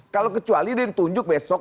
kalau kecuali dia ditunjuk besok